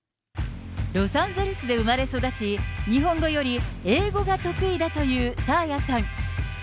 ロサンゼルスで生まれ育ち、日本語より英語が得意だという沙亜也さん。